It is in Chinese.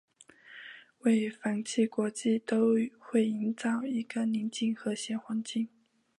为繁嚣国际都会营造一个宁静和谐环境。